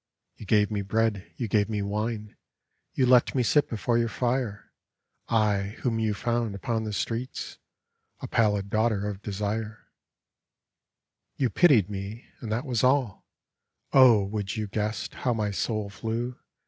" You gave me bread, you gave me wine, You let me sit before your fire — I whom you found upon the streets, A pallid Daughter of Desire 1 " You pitied me — and that was all I ... Oh, would you guessed how my soul flew.